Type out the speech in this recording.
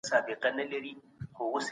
زحمت تل مېوه ورکوي